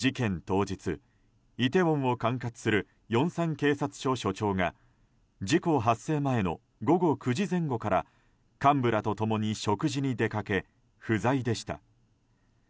当日イテウォンを管轄するヨンサン警察署署長が事故発生前の午後９時前後から幹部らと共に食事に出かけ不在でした。